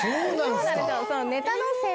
そうなんですよネタの。